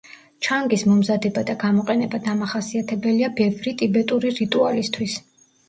ჩანგის მომზადება და გამოყენება დამახასიათებელია ბევრი ტიბეტური რიტუალისთვის.